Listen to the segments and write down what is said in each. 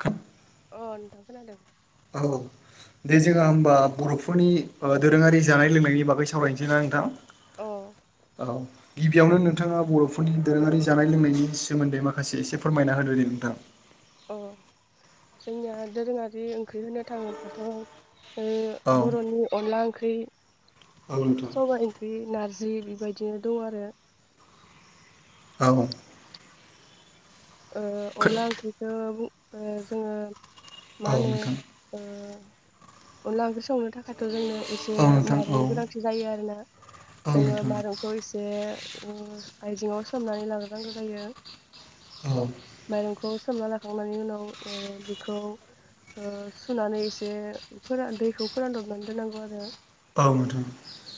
खोब अ नोंथां खोनादों औ दे जोंहा हबा बर'फोरनि दोरोङारि जानाय लोंनायनि बागै सावरायनोसै ना नोंथां अ औ गिबियावनो नोंथाङा बर'फोरनि दोरोङारि जानाय लोंनायनि सोमोन्दै माखासे एसे फोरमायना होदो दे नोंथा अ जोंनिया दोरोङारि ओंख्रि होनो थाङोबथ' औ बर'नि अनला ओंख्रि औ नोंथां सबाइ ओंख्रि नारजि जि बेबायदिनो दं आरो औ अनला ओंख्रिखौ जोङो औ मा होनो नोंथां अनला ओंख्रि संनो थाखायथ' जोंनो एसे औ नोंथां औ माइरंनि गोनांथि जायो आरोना औ जोङो नोंथां माइरंखौ एसे आइजङाव सोमनानै लाग्रोनांगौ जायो औ माइरंखौ सोमना लाखांनानै उनाव बेखौ सुनानै एसे फोरान दैखौ फोरानदबनानै दोननांगौ आरो औ मोथां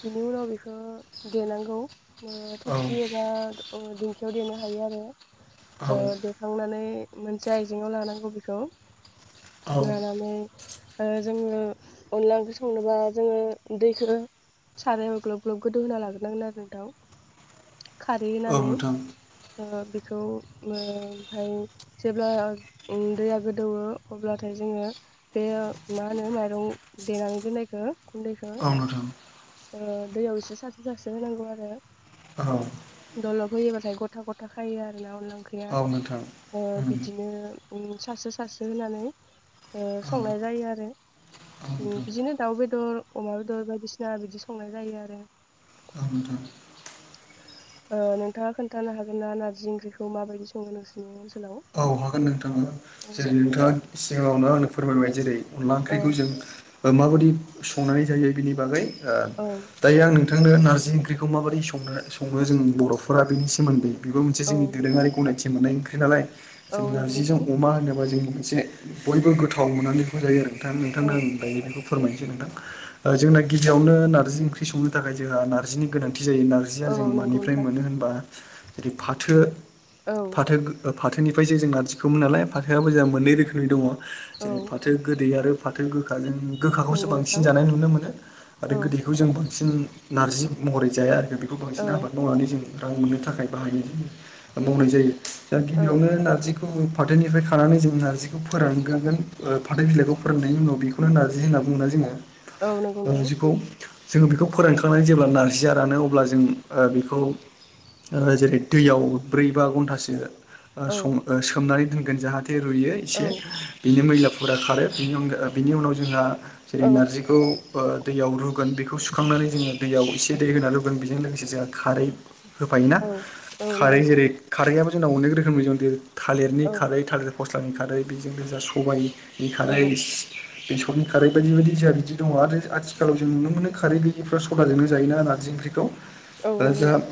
बेनि उनाव बेखौ देनांगौ औ थबसि एबा दिंखियाव देनो हायो आरो [unintelligible] देखांनानै मोनसे आइजेंआव लानांगौ बेखौ औ लानानै आरो जोङो अनला ओंख्रि संनोबा जोङो दैखो सारायावब ग्लग ब्लग गोदौ होना लाग्रोनांगोन आरो नोंथां। खारै हैनानै नोंथां उनाव बेखौ ओ ओमफाय जेब्ला दैया गोदौवो अब्लाथाय जोङो बे मा नो माइरं देनानै दोननायखो गुन्दैखो औ नोंथां औ नोंथां ओ दैयाव एसे सारस्रो सारस्रो होनांगौ आरो। औ दलब होयोबाथाय गथा गथा खायो आरोना अनला ओंख्रिया औ ओ बिदि बिदिनो उम सारस्रो सारस्रो होनानै ओ संनाय जायो आरो। उम नोंथां बिदिनो दाउ बेदर अमा बेदर बायदिसिना ना बिदि संनाय जायो आरो। औ नोंथां ओ नोंथाङा खोनथानो हागोन ना नारजि ओंख्रिखौ माबायदि सङो नोंसोरनि ओनस औ हागोन नोंथां जेरै नोंथाङा सिगाङावनो आंनो फोरमायबाय जेरै अनला औ ओंख्रिखौ जों माबादि संनानै जायो बिनि बागै दायो आं नोंथांनो ओ नारजि ओंख्रिखौ माबोरै संनो सङो जों बर'फोरा बेनि सोमोन्दै बेबो मोनसे औ जोंनि दोरोङारि गनायथि मोननाय ओंख्रि नालाय औ जों नंगौ नोंथां नारजिजों अमा होनोबा जों मोनसे बयबो गोथाव मोननानै बेखौ जायो नोंथां। औ नोंथांनो आंनि बेखौ फोरमायनोसै नोंथां ओ जोंना गिबियावनो नारजि ओंख्रि संनो थाखाय जोंहा नारजिनि गोनांथि जायो नारजिया औ जों नंगौ मानिफ्राय नोंथां मोनो होनबा जेरै फाथो। औ फाथो फाथोनिफ्रायसो जों नारजि खौ नालाय फाथोआबो जोंहा मोननै रोखोमनि दङ' औ जेरै फाथो गोदै आरो फाथो गोखाजों गोखाखौ सो नंगौ नोंथां बांसिन जानाय नुनो मोनो। आरो औ गोदैखौ जों बांसिन नारजि मोन महरै जाया आरो बेखौ औ बांसिन आबाद मावनानै जों रां मोननो थाखाय बाहायनो जायो ओ मावनाय जायो। ओ औ गिबियावनो नारजि खौ फाथोनिफ्राय खानानै जों नारजिखौ फोरानग्रोगोन ओ फाथै बिलाइखौ फोराननायनि उनाव बेखौनो नारजि होनना बुंङोना जोङो। औ नंगौ नोंथां। नारजिखौ जोङो बेखौ फोरानखांनानै जेब्ला नारजिया रानो अब्ला जों ओ बेखौ ओ जेरै दैयाव ब्रै बा घन्टासो ओ औ सं ओ सोमनानै दोनगोन जाहाथे रुयो औ एसे बिनि मैलाफोरा खारो। नि अनगा बिनि उनाव जोंहा जेरै औ नारजिखौ ओ दैयाव रुगोन बेखौ सुखांनानै जोङो दैयाव एसे दै होना रुगोन बेजों लोगोसे जोंहा खारै होफायोना औ औ नंगौ खारै नोंथां जेरै खारैयाबो जोंनाव अनेख रोखोमनि दं जेरै थालिरनि औ खारै थालिर फस्लानि खारै बेजोंनो जा सबाइनि औ औ खारै बेसरनि खारै बायदि बायदि जोंहा बिदि दङ' आरो आथिखालाव जों नुनो मोनो खारै गैयि निफ्रा सदाजोंनो जायो ना नारजि ओंख्रिखौ आरो ओ नंगौ जोहा नोंथां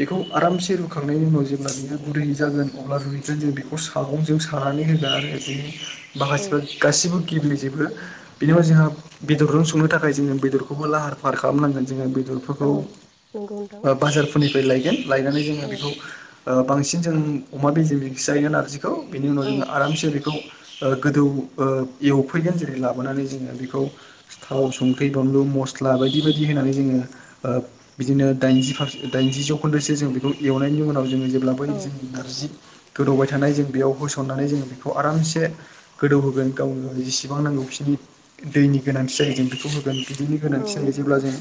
बेखौ आरामसे रुखांनायनि उनाव जेब्ला बियो गुरै जागोन अब्ला [unintelligible] जों बेखौ सागंजों सानानै होगोन आरो बिदिनो औ माखासेफ्रा गासिबो गिबलिजोेबो बेनि उनाव जोंहा बेदरजोंनो संनो थाखाय जोङो बेदरखौबो लाहार फाहार खालामनांगोन जोङो बेदरफोरखौ औ ओ नंगौ नोंथां बाजारफोरनिफ्राय लायगोन। लायनानै जोङो औ बेखौ बांसिन जों अमा बेजेमजोंसो जायो नारजि बेखौ बिनि उनाव औ जोङो आरामसे बेखौ ओ गोदौ ओ एवफैगोन जेरै लाबोनानै जोङो बेखौ थाव संख्रि बानलु मस्ला बायदि बायदि होनानै जोङो ओ बिदिनो दाइनजिसे दाइनजि जौखोन्दोसो जों बेखौ एवनायनि उनाव जों जेब्ला बै औ जों नारजि गोदौबाय थानाय जों बेयाव होसननानै जोंङो बेखौ आरामसे गोदौ होगोन गावनो गावनि जेसेबां नांगौ। बिसोरनि दैनि गोनांथि जायो जों बेखौ होगोन बिदैनि औ गोनांथि नंगौ जायो जेब्ला नोंथां जों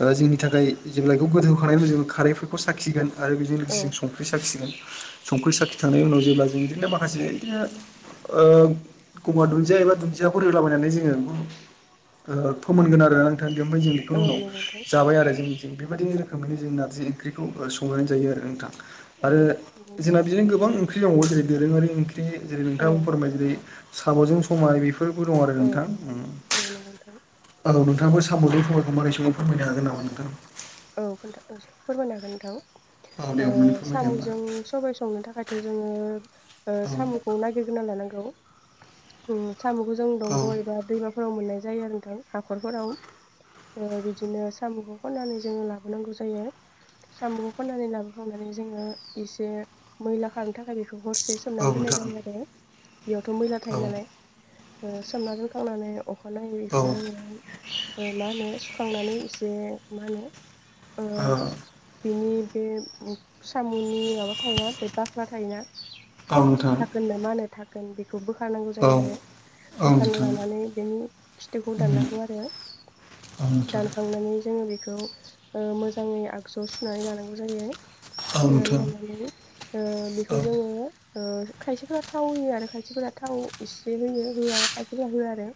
ओ जोंनि थाखाय जेब्ला बेखौ गोदौ होखानाय उनाव जोङो खारैफोरखौ साखिगोन आरो बेजों औ लोगोसे जों संख्रि साखिगोन। संख्रि साखिखांनायनि उनाव जेब्ला जों बिदिनो माखासे बिदिनो ओ एखबा दुन्दिया एबा दुन्दियाखौ होलाबायनानै जोङो ओ फोमोनगोन आरो ना नोंथां जों औ बेखौनो उनाव नंगौ नोंथां जाबाय आरो जों बेबायदि रोखोमैनो जों नारजि ओंख्रिखौ संनानै जायो आरो नोंथां औ आरो नंगौ नोंथां जोंना बिदिनो गोबां ओंख्रि दंबावो जेरै दोरोङारि ओंख्रि जेरै औ नोंथांङाबो फोरमायबाय जेरै साब'जों समाय बे फोरबो दं आरो औ नोंथां उ औ नंगौ नोंथां आ नोंथांखौ साम'नि संनायखौ मारै समाव फोरमायनो हागोन नामा नोंथां औ खोन्था फोरमायनो हागोन नोंथां औ दे ओ अननानै फोरमायदो होमबा साम'जों सबाय संनो थाखायथ' जोङो औ साम'खौ नागिरग्रोना लानांगौ उम साम'खौ जों औ दंग' एबा दैमाफोराव मोननाय जायो नोंथां हाखरफोराव ओ बिदिनो साम'खौ खननानै जोङो लाबोनांगौ जायो साम'खौ खननानै लाबोखांनानै जोङो एसे मैला खारनो थाखाय बे खौ हरसे औ सोमनानै दोननाय नोंथां जायो आरो बेयावथ' मैला थायो औ नालाय ओ सोमना दोनखांनानै अखानायै इखौ औ जोङो ओ मा होनो सुखांनानै एसे मा होनो ओ बिनि बे साम'नि माबा थायोना बे बाख्ला थायोना औ नोंथां थागोन ना मा होनो थागोन बेखौ बोखारनांगौ औ जायो आरो औ बोखान नोंथां लानानै बेनि खिथुखौ दाननांगौ आरो औ नोंथां दानखांनानै जोङो बेखौ ओ मोजाङै आगजुयाव सुनानै लानांगौ जायो औ फिसिनानै नोंथां लानानै औ बेखौ औ जोङो ओ खायसेफोरा थाव होयो आरो खायसेफोरा थाव इसे होयो होआ खायसेफोरा होआ आरो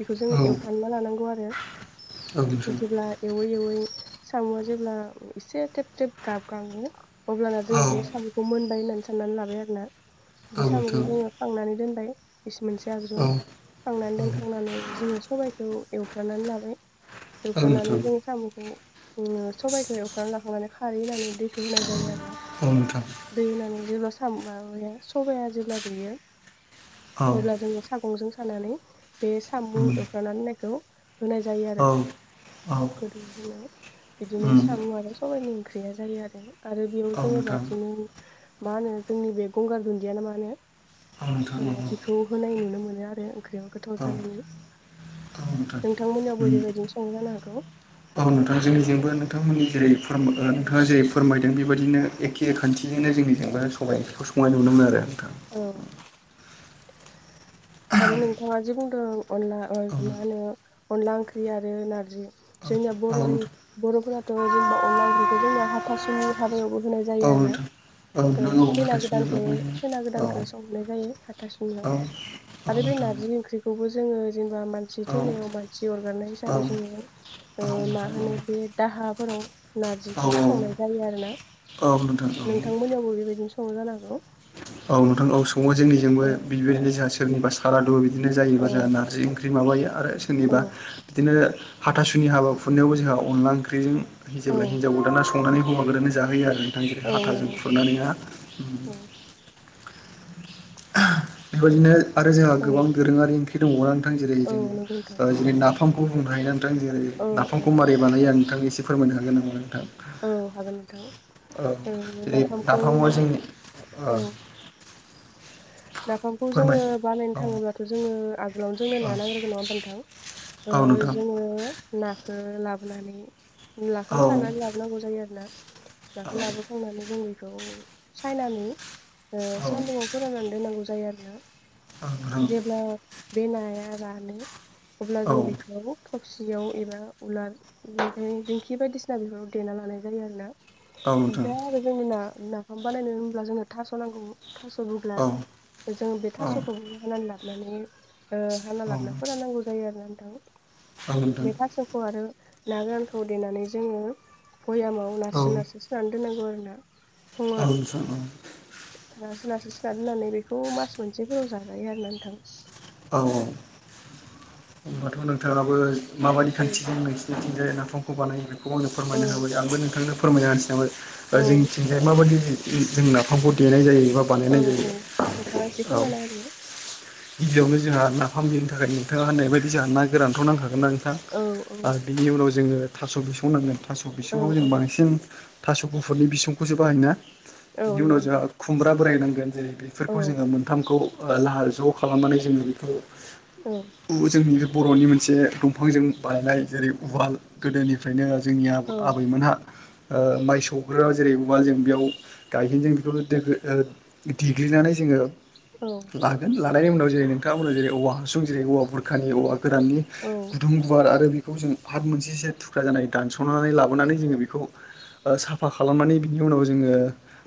बेखौ जों औ एवफ्रानना लानांगौ आरो नोंथां जेब्ला एवै एवै साम'आ जेब्ला एसे थेब थेब गाबगाङो अब्लाना औ जों बे साम'खौ मोनबाय होननानै साननानै लाबाय आरोना बे नोंथां साम'खौ जोङो खांनानै दोनबाय। बेसे मोनसे औ आगजुआव खांनानै औ दोनखांनानै जोङो सबायखौ एवफ्रानानै लाबाय औ एवफ्रानानै नोंथां जों साम'खौ सबायखौ एवफ्रानानै लाखांनानै खारै होनानै दै होनाय जायो आरोना औ नोंथां दै होनानै जेब्ला सामु माबाया सबाया जेब्ला रुयो औ अब्ला जोङो सागंजों खानानै बे साम' उम एवफ्रानानै दोननायखौ होनाय जायो औ आरो औ गोदोनि समायाव बिदिनो उम साम' आरो सबाइनि ओंख्रि गैया जायो आरो आरो बेयाव औ जोङो नोंथां बांसिनै मा होनो जोंनि बे गंगार दुन्दियानो मा होनो औ नोंथां औ ओ बेखौ होनाय नुनो मोनो आरो ओं ख्रियाव गोथाव जानायनि नोंथां नोंथांमोननियावबो उम बेबायदिनो संङो जानो हागौ नोंथां। जोंनिजोंबो नोंथांमोननि जेरै नोंथाङा जेरै फोरमाय दों बेबायदिनो एखे खान्थिजोंनो जोंनि जोंबा सबायाइ ओंख्रिखौ संनाय नुनो मोनो आरो। औ आरो नोंथाङा जे बुंदों। अनला ओ मा होनो अनला ओंख्रि आरो नारजि जोंनिया आरो बर'नि नोंथां बर'फोराथ' जेनेबा अनला ओंख्रिखौ जोंनिया हाथासुनि हाबायावबो होनाय औ नोंथां औ औ जायो। आरोना नोंथां औ नोंथां ओ खैना हाथासुनि गोदानखौ हाबायावबो होयो। खैना गोदानखौ संहोनाय जायो हाथासुनियाव औ औ आरो बे नोंथां नारजि ओंख्रिखौबो जोङो जेनेबा मानसि औ थैनायाव मानसि अरगारनाय औ हिसाबै जोङो ओ नोंथां मा होनो बे दाहाफोराव औ नारजिखौ औ संनाय जायो आरोना। औ नोंथां नोंथांमोननियावबो बेबायदिनो संङो जानो हागौ। औ नोंथां औ सङो जोंनिजोंबो औ बेबायदिनो जोंहा सोरनिबा सारादु बिदि बिदिनो औ जायोबा जोंहा नारजि ओंख्रि माबायो आरो औ सोरनिबा बिदिनो हाथासुनि हाबाखुरनायावबो जोंहा अनला ओंख्रिजों औ जेब्ला हिन्जाव गोदाना संनानै हौवा गोदानानै जाहोयो आरो। नोंथां जेरै औ हाथाजों नंगौ नोंथां खुरनानैहा उम औ बेबायदिनो आरो जोंहा औ गोबां दोरोङारि ओंख्रि दंबावोना नोंथां जेरै औ नंगौ नोंथां जों जेरै नाफामखौ बुंनो हायो ना नोंथां जेरै औ औ नाफामखौ मारै बानाय आं नोंथांनि एसे फोरमायनो हागोन नामा नोंथां? औ हागोन नोंथां ओ औ जेरै नाफामखौ नाफामा जोंनि औ ओ नाफामखौ जोङो बानायनो औ थाङोब्लाथ' जोङो आगोलावनो जोंनो औ ना नांग्रोगोन नङा होमबा नोंथां? ओ औ नोंथां जोङो नाखौ लाबोनानै औ नाखौ सारनानै लाबोनांगौ जायो आरो ना। नाखौ लाबोखांनानै जों बेखौ सायनानै औ सान्दुंङाव फोरानानै जायो आरोना जेब्ला [unintelligible] बे नाया जानो अब्ला औ नोंथां औ जों बेखौ थौसियाव एबा उलार बेनि दिंखि बायदिसिना बेफोराव देना लानाय जायो आरोना। नोंथां आरो जोंनि ना नाफाम बानायनो होनब्ला जोंनो थास' नांगौ थास' औ जों बे औ नोंथां औ थास'खौ हानानै लाबानै हाना लाबना फोरान नांगौ जायो आरो ना। बे थास'खौ आरो ना गोरानखौ देनानै जोङो भयामाव नारसो नारसो सोनानै दोननांगौ आरो ना। औ नोंथां औ सोरनाबा सोरनाबा सोना दोननानै बेखौ मास मोनसेफोराव जाजायो आरोना नोंथां। औ औ होनबाथ' नोंथाङाबो माबादि औ खान्थिजों नोंसोरनि जे नाफामखौ बानायो बेखौ आंनो औ फोरमायनो होबाय आंबो नोंथांनो फोरमायना होनसै औ नाबाय जोंनिथिंहाय माबायदि जों नाफामखौ देनाय जायो। मा औ बानायनाय औ नोंथाङा एसे जायो औ फोरमायना होदो गिबियावनो जोंहा नाफाम देनो थाखाय नोंथाङा होननाय बादि जोंहा ना गोरानथ' नांखागोन ना। थां औ औ आरो बिनि उनाव जोङो थास' बिसौ नांगोन थास' औ बिसङाव जों औ बांसिन थास' गुफुरनि बिसंखौसो बाहायना औ बिनि उनाव नंगौ जोंहा नोंथां खुमब्रा बोरायनांगोन जेरै औ बेफोरखौ जोङो मोनथामखौ लाहार ज' खालामनानै जोङो बेखौ औ जोंनि बर'नि मोनसे दंफांजों बानायनाय जेरै उवाल गोदोनिफ्रायनो जोंनि औ आबैमोनहा ओ माइ सौग्राो जेरै उवाल जों बेयाव गायहेन जों बेखौ देग्लिनानै जोङो औ हानायनि उनाव जेरै नोंथांमोना जेरै औवा हासुं जेरै औवा बुरखानि औवा गोराननि गुदुं गुवार आरो बेखौ जों हाब मोनसेसो थुख्रा जानानै दानस'नानै लाबोनानै जोङो बेखौ साफा खालामनानै बिनि उनाव जोङो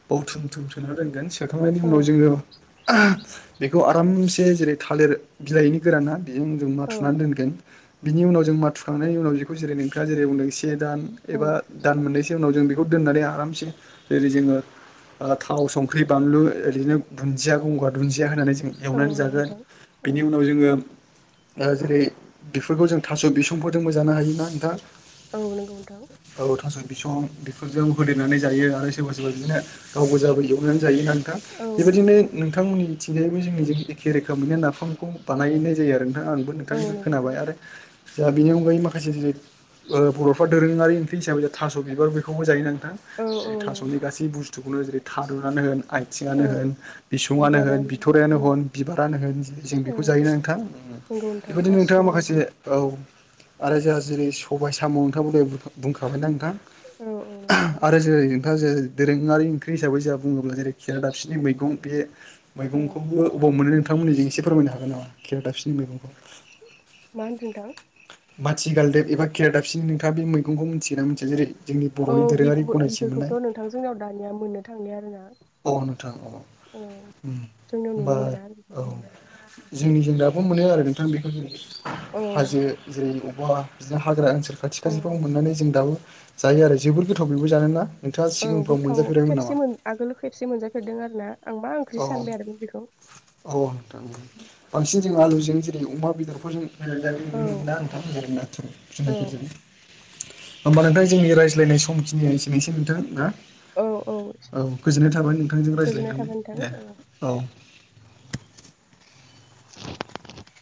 बावथुम थुम सोना दोनगोन। सोखांनायनि औ उनाव जोङो बेखौ आरामसे जेरै थालिर बिलाइनि गोराना बेजों जों माथुनानै औ दोनगोन बिनि उनाव जों माथुखांनायनि उनाव बेखौ जेरै नोंथाङा जेरै बुंदों से दान औ एबा दान मोननैसो उनाव जों बेखौ दोननानै आरामसे जेरै जोङो थाव संख्रि बानलु ओरैनो दुन्दिया गंगार दुन्दिया होनानै जों औ एवनानै नंगौ जागोन नोंथां बिनि औ उनाव जोङो जेरै बेफोरखौ जों थास' बिसंफोरजोंबो जानो हायोना नोंथाङा। औ नंगौ नोंथां। बिसं बेफोरजों होदेरनानै जायो आरो। सोरबा सोरबा बिदिनो गावबो गोजाबो एवनानै जायोना नोंथां औ नंगौ बेबायदिनो नोंथां नोंथांमोननि थिंजाय बे जोंनिजों एखे रोखोमैनो नाफामखौ बानायनाय जायो आरो नोंथाङा आंबो औ नोंथांनिखौ नंगौ नोंथां खोनाबाय आरो। दा बेनि अनगायै माखासे जेरै बर'फ्रा दोरोङारि ओंख्रि हिसाबै थास' बिबार बेखौबो जायो ना नोंथां। औ जेरै नंगौ थास'नि नोंथां गासै बुस्थुखौनो जेरै थारुनानो होन आथिङानो औ होन बिसुङानो होन बिबारानो नो ओं होन बिबारनो होन जों बेखौ ओं जायोना नोंथां नंगौ नोंथां बेफोरबायदिनो नोंथाङा गासिखौबो माखासे जाजोबो औ आरो जोंहा जेरै सबाय साम' नोंथाङाबो दहाय बुंखाबाय ना नोंथां। औ औ नंगौ नोंथां आरो जेरै नोंथाङा जे दोरोङारि ओंख्रि हिसाबै जों बुङोब्ला जेरै खेरादाफिनि मैगं बे मैगंखौ औ अबाव मोनो नोंथांमोनजों एसे फोरमायनो हागोन नामा खेरादाफिनि मैगंखौ मा होनदों नोंथां? सिगालदेब एबा केेराददाबसिनि नोंथाङा बे मैगखौ मिथिगोना मिथिया जेरै जोंनि औ बर'नि बि दोरोङारि गनायथि मोननाय बेफोरखौथ' नोंथांजोंनाव दानिया मोननो थांलिया आरो ना। औ नोंथां औ जोंनियाव होमबा नुनो मोना आरो औ बेफोरखौ जोंनि जों दाबो मोनो आरो नोंथां बेखौ औ हाजो जेरै अबेबा बिदिनो हाग्रा ओनसोल खाथि औ खाथिफ्राव मोननानै जों दाबो जायो आरो जोबोर गोथाव बेबो जानोना नोंथाङा औ सिगांफ्राव गोथाव मोनजाफेरबायमोन खेबसे नामा? मोन आगोल खेबसे से मोनजाफेरदों आरो ना। आं मा ओंख्रि औ सानबाय आरोमोन बेखौ औ नोंथां बांसिन जों आलुजों जेरै अमा बेदरफोरजों होनानै जानाय औ नुनो मोना नोंथांमोन जेरै नाथुर औ जुनायफोरजों होमबा नोंथां जोंनि रायज्लायनाय समखिनिया एसेनोसै नोंथां ना औ औ औ गोजोननाय थाबाय नोंथांजों गोजोननाय थाबाय रायज्लायनानै नोंथां दे औ औ [inaudible]